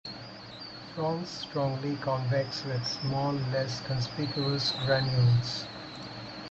Frons strongly convex with small less conspicuous granules.